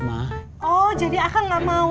oh jadi aku gak mau